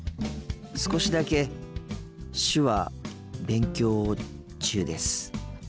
少しだけ手話勉強中です。